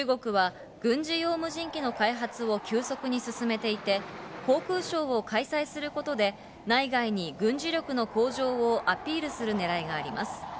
中国は軍事用無人機の開発を急速に進めていて、航空ショーを開催することで、内外に軍事力の向上をアピールする狙いがあります。